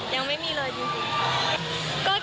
ยังไม่มีเลยจริงค่ะ